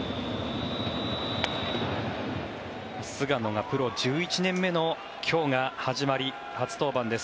菅野がプロ１１年目の今日が始まり初登板です。